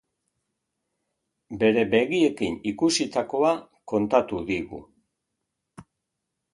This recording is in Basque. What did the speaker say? Bere begiekin ikusitakoa kontatu digu.